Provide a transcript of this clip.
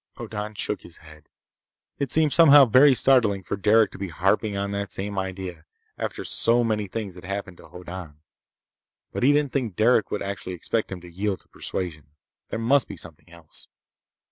Hoddan shook his head. It seemed somehow very startling for Derec to be harping on that same idea, after so many things had happened to Hoddan. But he didn't think Derec would actually expect him to yield to persuasion. There must be something else.